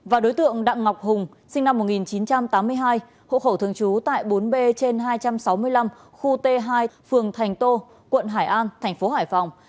và đối tượng đặng ngọc hùng sinh năm một nghìn chín trăm tám mươi hai hộ khẩu thường trú tại bốn b trên hai trăm sáu mươi năm khu t hai phường thành tô quận hải an thành phố hải phòng